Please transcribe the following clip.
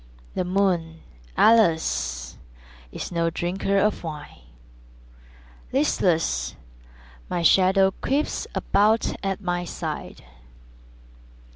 The moon, alas, is no drinker of wine; Listless, my shadow creeps about at my side.